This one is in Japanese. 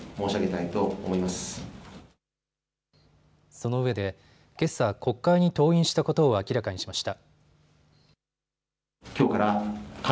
そのうえでけさ国会に登院したことを明らかにしました。